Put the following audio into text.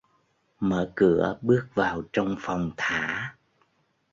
Mở cửa bước vào trong phòng thả